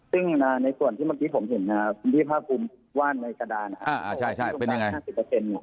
ซึ่งในส่วนที่เมื่อกี้ผมเห็นที่พ่อคุณว่านในกระดาษนะครับ